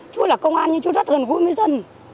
chú là công an nhưng chú rất gần gũi với dân